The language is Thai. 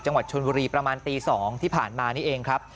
จังหวัดชนบุรีประมาณตี๒ที่ผ่านมานี่เองครับ